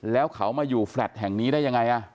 แล้วเขามาอยู่แฟลต์แห่งนี้ได้ยังไง